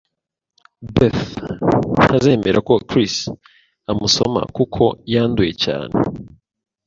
Beth ntazemera ko Chris amusoma kuko yanduye cyane. .